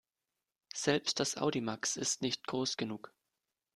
Selbst das Audimax ist nicht groß genug.